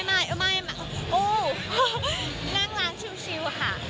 ไม่ไม่โอ้โหนั่งร้านชิลล์ค่ะ